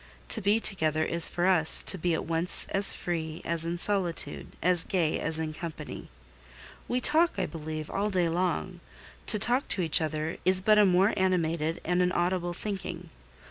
To be together is for us to be at once as free as in solitude, as gay as in company. We talk, I believe, all day long: to talk to each other is but a more animated and an audible thinking.